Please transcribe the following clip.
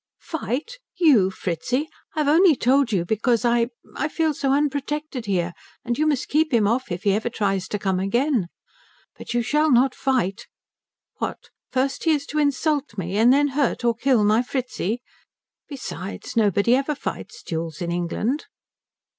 "Fight? You? Fritzi, I've only told you because I I feel so unprotected here and you must keep him off if he ever tries to come again. But you shall not fight. What, first he is to insult me and then hurt or kill my Fritzi? Besides, nobody ever fights duels in England."